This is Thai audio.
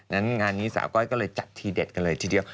งานนี้สาวก้อยก็เลยจัดทีเด็ดกันเลยทีเดียว